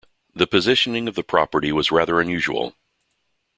The positioning of the property was rather unusual.